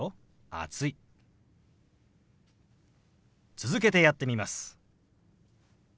続けてやってみます。